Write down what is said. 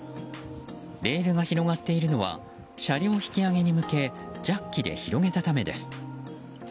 レールが広がっているのは車両引き上げに向けジャッキで広げたためです。